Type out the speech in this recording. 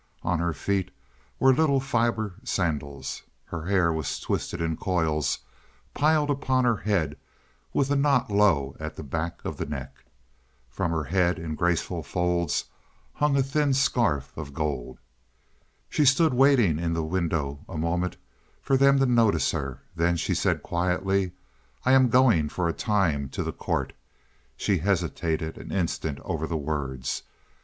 On her feet were little fiber sandals. Her hair was twisted in coils, piled upon her head, with a knot low at the back of the neck. From her head in graceful folds hung a thin scarf of gold. She stood waiting in the window a moment for them to notice her; then she said quietly, "I am going for a time to the court." She hesitated an instant over the words.